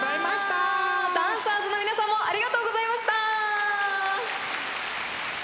ダンサーズの皆さんもありがとうございました。